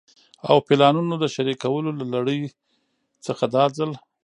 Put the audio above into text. او پلانونو د شريکولو له لړۍ څخه دا ځل